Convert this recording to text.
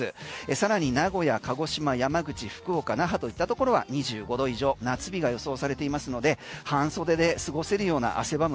更に名古屋、鹿児島山口、福岡、那覇といったところは２５度以上、夏日が予想されていますので半袖で過ごせるような汗ばむ